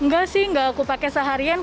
enggak sih enggak aku pakai seharian